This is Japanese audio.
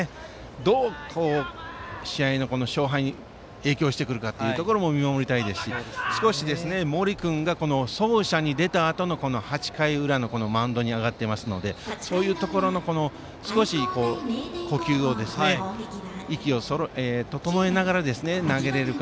どう試合の勝敗に影響してくるかも見守りたいですし森君が走者に出たあとに８回裏のマウンドに上がるのでそういうところの息を整えながら投げられるか。